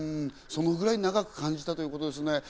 そのぐらい長く感じたということですね。